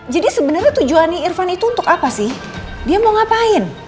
jadi sebenarnya tujuan irfan itu untuk apa sih dia mau ngapain